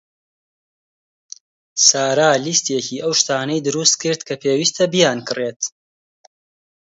سارا لیستێکی ئەو شتانەی دروست کرد کە پێویستە بیانکڕێت.